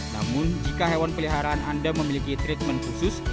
namun jika hewan peliharaan anda memiliki treatment khusus